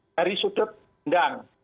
dari sudut undang